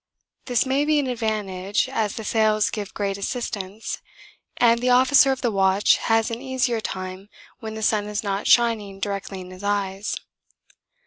This may be an advantage, as the sails give great assistance and the officer of the watch has an easier time when the sun is not shining directly in his eyes.